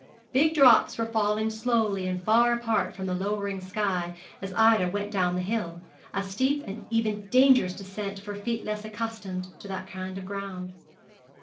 Big drops were falling slowly and far apart from the lowering sky as Ida went down the hill, a steep and even dangerous descent for feet less accustomed to that kind of ground.